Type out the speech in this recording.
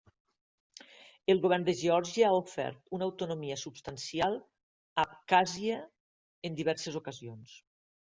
El govern de Geòrgia ha ofert una autonomia substancial a Abkhàzia en diverses ocasions.